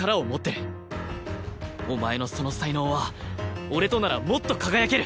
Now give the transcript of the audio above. お前のその才能は俺とならもっと輝ける！